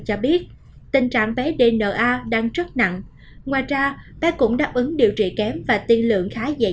cho biết tình trạng bé dna đang rất nặng ngoài ra bé cũng đáp ứng điều trị kém và tiên lượng khá dễ